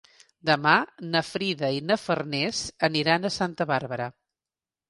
Demà na Frida i na Farners aniran a Santa Bàrbara.